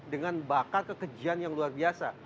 dengan bakat kekejian yang luar biasa